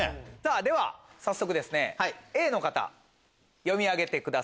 では早速Ａの方読み上げてください。